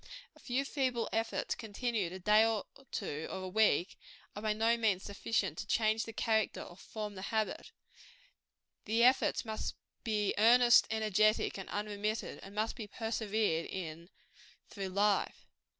A few feeble efforts, continued a day or two, or a week, are by no means sufficient to change the character or form the habit. The efforts must be earnest, energetic, and unremitted; and must be persevered in through life.